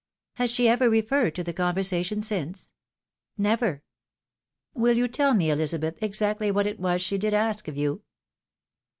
" Has she ever referred to the conversation since ?"'^' Never." " Will you tell me, Elizabeth, exactly what it was she did ask of you?"